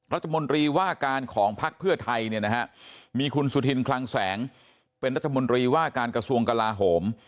รัฐมนตรีว่าการของพักเพื่อไทยเนี่ยนะฮะมีคุณสุธินคลังแสงเป็นรัฐมนตรีว่าการกระทรวงกลาโหม